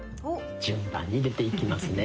順番に出ていきますね。